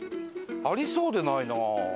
ありそうでないな。